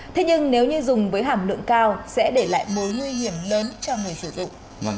thế nhưng nếu như dùng với hàm lượng cao sẽ để lại mối nguy hiểm lớn cho người sử dụng